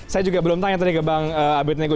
saya juga belum tanya tadi ke bang abed nego